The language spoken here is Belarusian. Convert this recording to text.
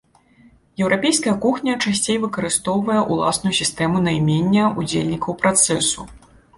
Еўрапейская кухня часцей выкарыстоўвае ўласную сістэму наймення удзельнікаў працэсу.